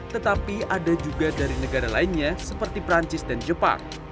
tetapi ada juga dari negara lainnya seperti perancis dan jepang